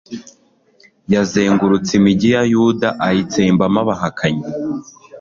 yazengurutse imigi ya yuda ayitsembamo abahakanyi